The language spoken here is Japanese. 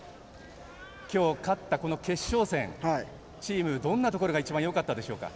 きょう勝った、この決勝戦チーム、どんなところが一番よかったでしょうか？